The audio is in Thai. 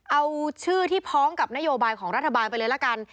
เอาชื่อที่พ้องกับนโยบายของรัฐบาลไปเลยละกัน